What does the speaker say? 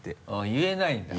言えないんだ。